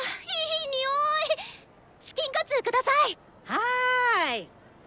はい。